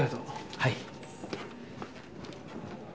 はい。